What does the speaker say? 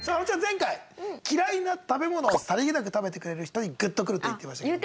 前回嫌いな食べ物をさりげなく食べてくれる人にグッとくると言ってましたけども。